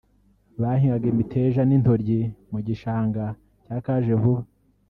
bahingaga imiteja n’intoryi mu gishanga cya Kajevuba